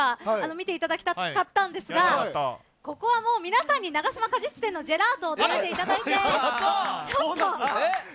見ていただきたかったんですがここは皆さんに永島果実店のジェラートを食べていただいて。